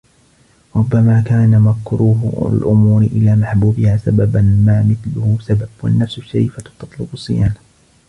وَرُبَّمَا كَانَ مَكْرُوهُ الْأُمُورِ إلَى مَحْبُوبِهَا سَبَبًا مَا مِثْلُهُ سَبَبُ وَالنَّفْسُ الشَّرِيفَةُ تَطْلُبُ الصِّيَانَةَ